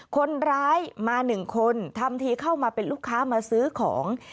คนร้ายมา๑คนทำทีเข้ามาเป็นลูกค้ามาซื้อของ